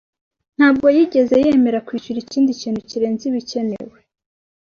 Ntabwo yigeze yemera kwishyura ikindi kintu kirenze ibikenewe.